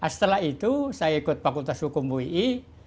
setelah itu saya ikut fakultas hukum ui